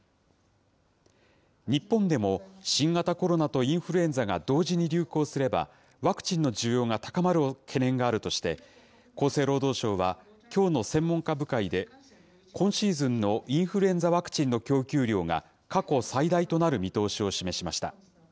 日本でも、新型コロナとインフルエンザが同時に流行すれば、ワクチンの需要が高まる懸念があるとして、厚生労働省は、きょうの専門家部会で、今シーズンのインフルエンザワクチンの供給量が過去最大となる見通しを示しました。